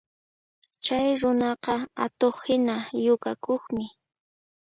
Chay runaqa atuqhina yukakuqmi